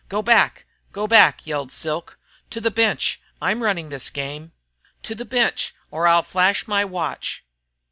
"Go back! Go back!" yelled Silk. "To the bench! I'm running this game. To the bench or I'll flash my watch!"